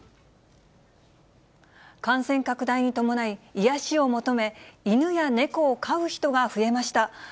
感染拡大に伴い、癒やしを求め、犬や猫を飼う人が増えました。